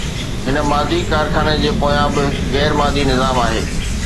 هن مادي ڪارخاني جي پويان به هڪ غير مادي نظام آهي